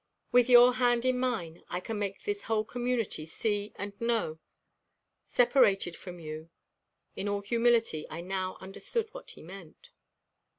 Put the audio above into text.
"With your hand in mine I can make this whole community see and know; separated from you " In all humility I now understood what he meant.